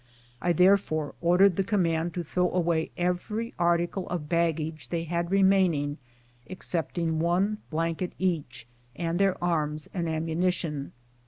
I therefore or dered the command to throw away every article of baggage they had remaining excepting one blanket each and their arms and ammunition.